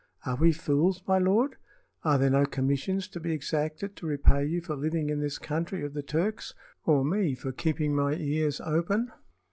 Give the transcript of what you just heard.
Are we fools, my lord? Are there no commissions to be exacted to repay you for living in this country of the Turks, or me for keeping my ears open?